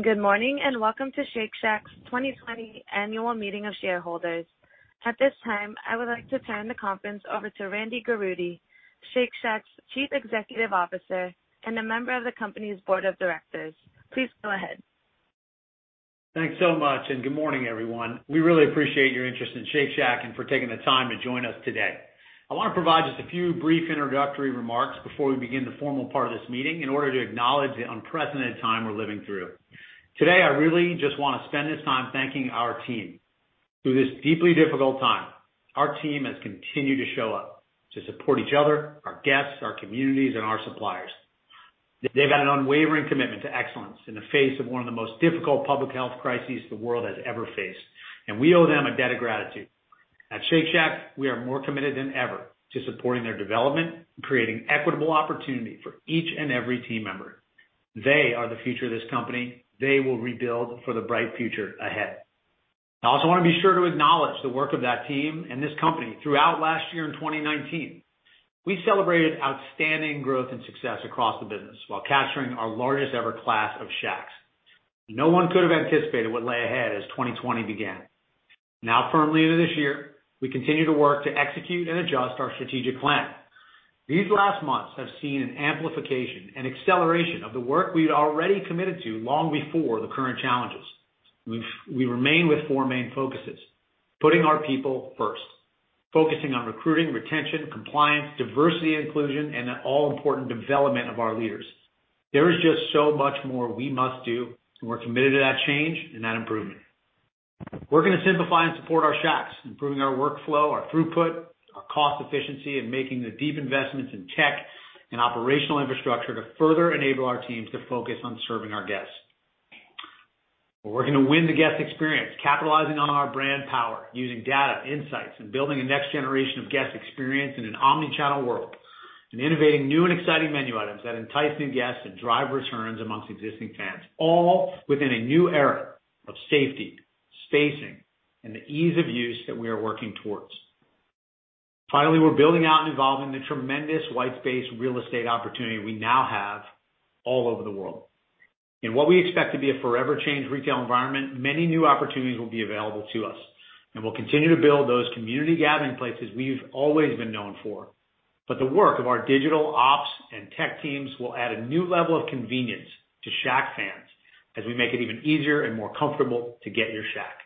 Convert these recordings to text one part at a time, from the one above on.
Good morning, welcome to Shake Shack's 2020 Annual Meeting of Shareholders. At this time, I would like to turn the conference over to Randy Garutti, Shake Shack's Chief Executive Officer and a member of the company's Board of Directors. Please go ahead. Thanks so much, and good morning, everyone. We really appreciate your interest in Shake Shack and for taking the time to join us today. I want to provide just a few brief introductory remarks before we begin the formal part of this meeting in order to acknowledge the unprecedented time we're living through. Today, I really just want to spend this time thanking our team. Through this deeply difficult time, our team has continued to show up to support each other, our guests, our communities, and our suppliers. They've had an unwavering commitment to excellence in the face of one of the most difficult public health crises the world has ever faced, and we owe them a debt of gratitude. At Shake Shack, we are more committed than ever to supporting their development and creating equitable opportunity for each and every team member. They are the future of this company. They will rebuild for the bright future ahead. I also want to be sure to acknowledge the work of that team and this company throughout last year in 2019. We celebrated outstanding growth and success across the business while capturing our largest ever class of Shacks. No one could have anticipated what lay ahead as 2020 began. Now firmly into this year, we continue to work to execute and adjust our strategic plan. These last months have seen an amplification and acceleration of the work we'd already committed to long before the current challenges. We remain with four main focuses. Putting our people first, focusing on recruiting, retention, compliance, diversity, inclusion, and the all-important development of our leaders. There is just so much more we must do, and we're committed to that change and that improvement. We're going to simplify and support our Shacks, improving our workflow, our throughput, our cost efficiency, and making the deep investments in tech and operational infrastructure to further enable our teams to focus on serving our guests. We're working to win the guest experience, capitalizing on our brand power, using data, insights, and building a next generation of guest experience in an omni-channel world, and innovating new and exciting menu items that entice new guests and drive returns amongst existing fans, all within a new era of safety, spacing, and the ease of use that we are working towards. Finally, we're building out and evolving the tremendous white space real estate opportunity we now have all over the world. In what we expect to be a forever changed retail environment, many new opportunities will be available to us, and we'll continue to build those community gathering places we've always been known for. The work of our digital ops and tech teams will add a new level of convenience to Shack fans as we make it even easier and more comfortable to get your Shack.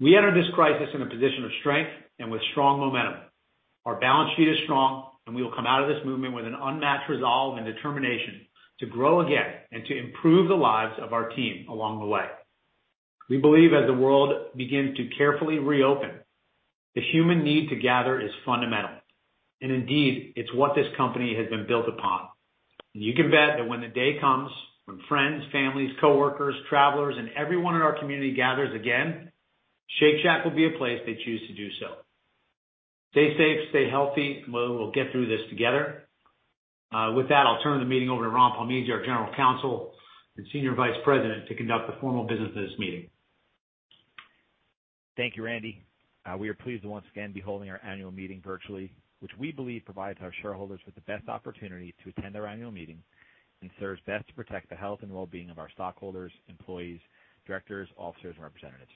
We entered this crisis in a position of strength and with strong momentum. Our balance sheet is strong, and we will come out of this movement with an unmatched resolve and determination to grow again and to improve the lives of our team along the way. We believe as the world begins to carefully reopen, the human need to gather is fundamental, and indeed, it's what this company has been built upon. You can bet that when the day comes, when friends, families, coworkers, travelers, and everyone in our community gathers again, Shake Shack will be a place they choose to do so. Stay safe, stay healthy. We'll get through this together. With that, I'll turn the meeting over to Ron Palmese, our General Counsel and Senior Vice President, to conduct the formal business of this meeting. Thank you, Randy. We are pleased to once again be holding our annual meeting virtually, which we believe provides our shareholders with the best opportunity to attend our annual meeting and serves best to protect the health and well-being of our stockholders, employees, directors, officers, and representatives.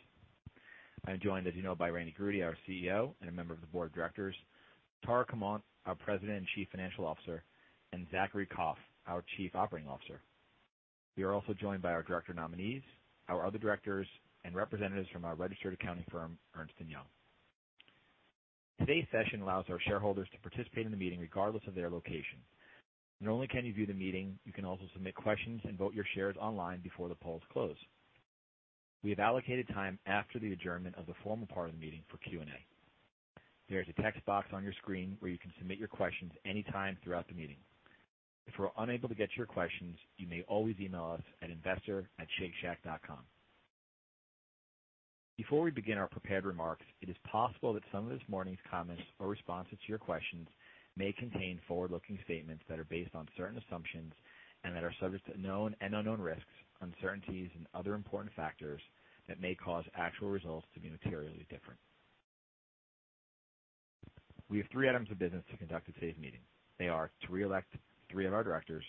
I'm joined, as you know, by Randy Garutti, our Chief Executive Officer and a member of the board of directors, Tara Comonte, our President and Chief Financial Officer, and Zachary Koff, our Chief Operating Officer. We are also joined by our director nominees, our other directors, and representatives from our registered accounting firm, Ernst & Young. Today's session allows our shareholders to participate in the meeting regardless of their location. Not only can you view the meeting, you can also submit questions and vote your shares online before the polls close. We have allocated time after the adjournment of the formal part of the meeting for Q&A. There is a text box on your screen where you can submit your questions any time throughout the meeting. If we're unable to get to your questions, you may always email us at investor@shakeshack.com. Before we begin our prepared remarks, it is possible that some of this morning's comments or responses to your questions may contain forward-looking statements that are based on certain assumptions and that are subject to known and unknown risks, uncertainties, and other important factors that may cause actual results to be materially different. We have three items of business to conduct at today's meeting. They are to reelect three of our directors,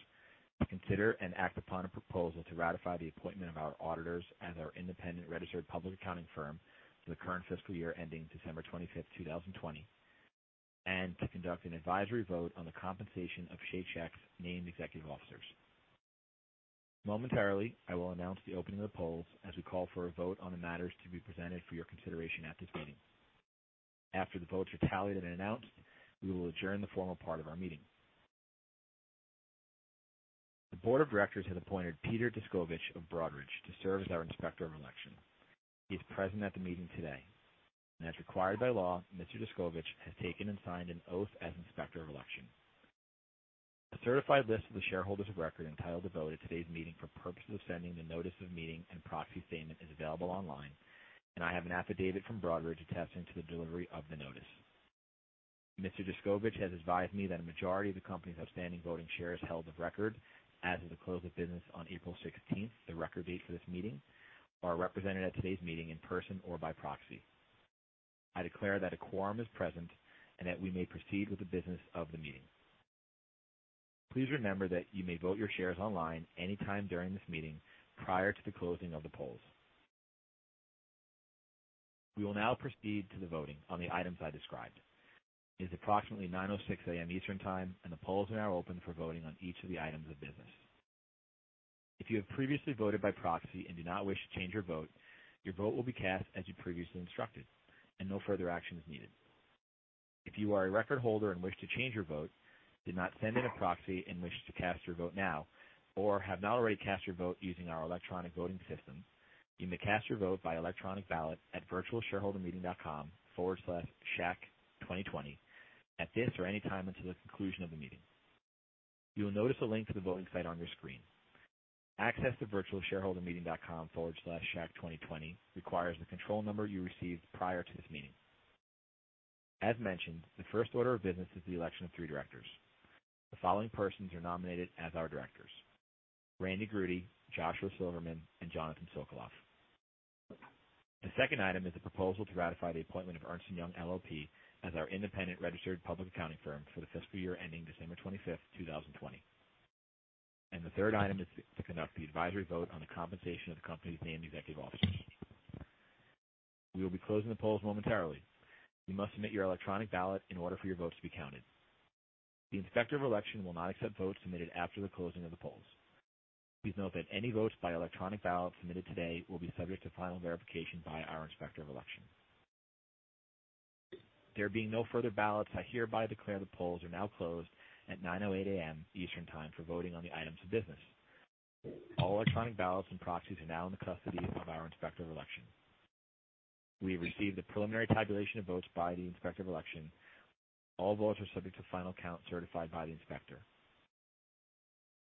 to consider and act upon a proposal to ratify the appointment of our auditors as our independent registered public accounting firm for the current fiscal year ending December 25th, 2020, and to conduct an advisory vote on the compensation of Shake Shack's named executive officers. Momentarily, I will announce the opening of the polls as we call for a vote on the matters to be presented for your consideration at this meeting. After the votes are tallied and announced, we will adjourn the formal part of our meeting. The board of directors has appointed Peter Descovich of Broadridge to serve as our Inspector of Election. He is present at the meeting today. As required by law, Mr. Descovich has taken and signed an oath as Inspector of Election. A certified list of the shareholders of record entitled to vote at today's meeting for purposes of sending the notice of meeting and proxy statement is available online. I have an affidavit from Broadridge attesting to the delivery of the notice. Mr. Descovich has advised me that a majority of the company's outstanding voting shares held of record as of the close of business on April 16th, the record date for this meeting, are represented at today's meeting in person or by proxy. I declare that a quorum is present and that we may proceed with the business of the meeting. Please remember that you may vote your shares online anytime during this meeting, prior to the closing of the polls. We will now proceed to the voting on the items I described. It is approximately 9:00 A.M. Eastern Time, and the polls are now open for voting on each of the items of business. If you have previously voted by proxy and do not wish to change your vote, your vote will be cast as you previously instructed, and no further action is needed. If you are a record holder and wish to change your vote, did not send in a proxy and wish to cast your vote now, or have not already cast your vote using our electronic voting system, you may cast your vote by electronic ballot at virtualshareholdermeeting.com/shack2020 at this or anytime until the conclusion of the meeting. You will notice a link to the voting site on your screen. Access to virtualshareholdermeeting.com/shack2020 requires the control number you received prior to this meeting. As mentioned, the first order of business is the election of three directors. The following persons are nominated as our directors: Randy Garutti, Joshua Silverman, and Jonathan Sokoloff. The second item is a proposal to ratify the appointment of Ernst & Young LLP as our independent registered public accounting firm for the fiscal year ending December 25th, 2020. The third item is to conduct the advisory vote on the compensation of the company's named executive officers. We will be closing the polls momentarily. You must submit your electronic ballot in order for your votes to be counted. The Inspector of Election will not accept votes submitted after the closing of the polls. Please note that any votes by electronic ballot submitted today will be subject to final verification by our Inspector of Election. There being no further ballots, I hereby declare the polls are now closed at 9:08 A.M. Eastern Time for voting on the items of business. All electronic ballots and proxies are now in the custody of our Inspector of Election. We have received the preliminary tabulation of votes by the Inspector of Election. All votes are subject to final count certified by the inspector.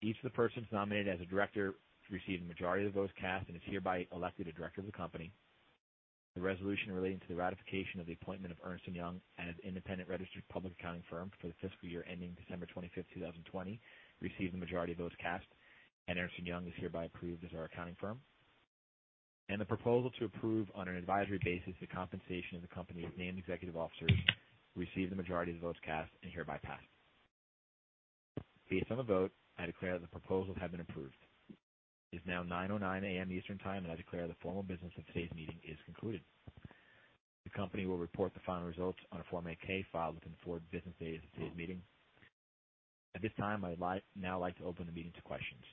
Each of the persons nominated as a director received a majority of the votes cast and is hereby elected a director of the company. The resolution relating to the ratification of the appointment of Ernst & Young as independent registered public accounting firm for the fiscal year ending December 25th, 2020 received the majority of votes cast, and Ernst & Young is hereby approved as our accounting firm. The proposal to approve on an advisory basis the compensation of the company's named executive officers received the majority of the votes cast and hereby passed. Based on the vote, I declare the proposals have been approved. It is now 9:09 A.M. Eastern Time, and I declare the formal business of today's meeting is concluded. The company will report the final results on a Form 8-K filed within four business days of today's meeting. At this time, I'd now like to open the meeting to questions.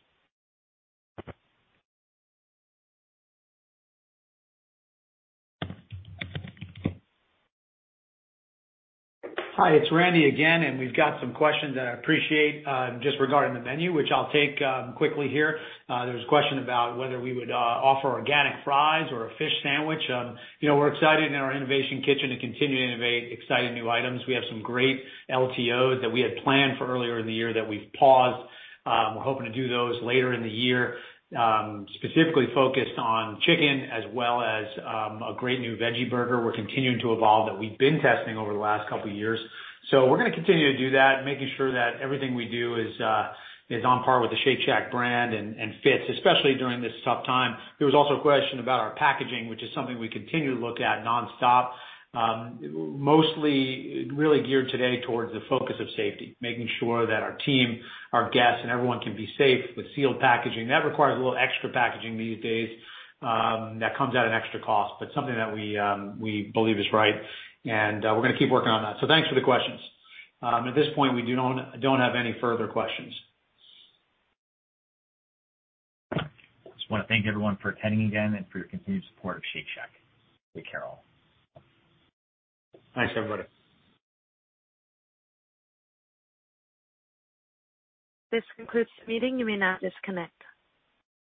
Hi, it's Randy again, and we've got some questions that I appreciate, just regarding the menu, which I'll take quickly here. There's a question about whether we would offer organic fries or a fish sandwich. We're excited in our innovation kitchen to continue to innovate exciting new items. We have some great LTOs that we had planned for earlier in the year that we've paused. We're hoping to do those later in the year, specifically focused on chicken as well as a great new veggie burger we're continuing to evolve, that we've been testing over the last couple years. We're going to continue to do that, making sure that everything we do is on par with the Shake Shack brand and fits, especially during this tough time. There was also a question about our packaging, which is something we continue to look at nonstop. Mostly really geared today towards the focus of safety, making sure that our team, our guests, and everyone can be safe with sealed packaging. That requires a little extra packaging these days that comes at an extra cost, but something that we believe is right, and we're going to keep working on that. Thanks for the questions. At this point, we don't have any further questions. Just want to thank everyone for attending again and for your continued support of Shake Shack. Take care all. Thanks, everybody. This concludes the meeting. You may now disconnect.